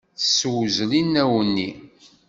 Tessewzel inaw-nni.